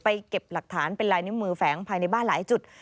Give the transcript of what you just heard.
เก็บหลักฐานเป็นลายนิ้วมือแฝงภายในบ้านหลายจุด